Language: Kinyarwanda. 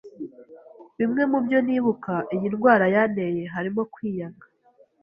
Bimwe mu byo nibuka iyi ndwara yanteye harimo kwiyanga